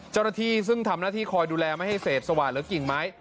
เจ้าหน้าที่ซึ่งทำหน้าที่คอยดูแลไม่ให้เศษสวาดหรือกิ่งไม้